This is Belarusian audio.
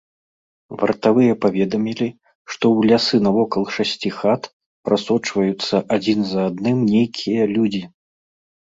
Вартавыя паведамілі, што ў лясы навокал шасці хат прасочваюцца адзін за адным нейкія людзі.